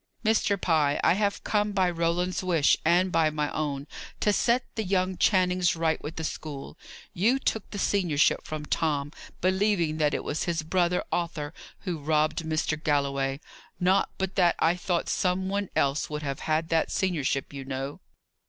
Mr. Pye, I have come by Roland's wish, and by my own, to set the young Channings right with the school. You took the seniorship from Tom, believing that it was his brother Arthur who robbed Mr. Galloway. Not but that I thought some one else would have had that seniorship, you know!"